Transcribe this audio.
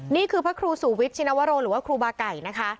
นี่คือพระครูสูวิทย์ชินวโรหรือว่าครูบาไก่นะคะ